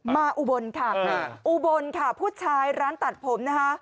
อุบลค่ะอุบลค่ะผู้ชายร้านตัดผมนะคะ